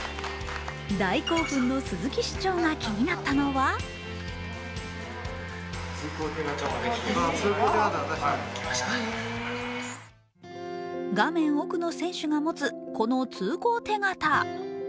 大興奮の鈴木市長が気になったのは画面奥の選手が持つ、この通行手形。